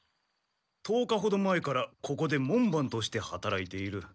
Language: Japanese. １０日ほど前からここで門番としてはたらいている。